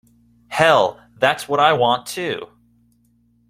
Hell, that's what I want too.